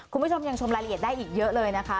คุณผู้ชมยังชมรายละเอียดได้อีกเยอะเลยนะคะ